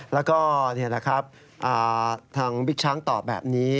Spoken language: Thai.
แล้วก็มิกช้างตอบแบบนี้